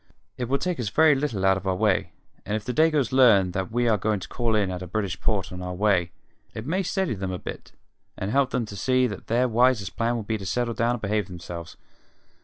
It will take us very little out of our way, and if the Dagoes learn that we are going to call in at a British port on our way, it may steady them a bit and help them to see that their wisest plan will be to settle down and behave themselves.